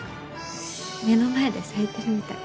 目の前で咲いてるみたい。